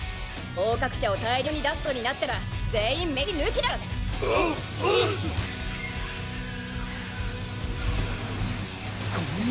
合格者を大量に出すことになったら全員飯抜きだからね！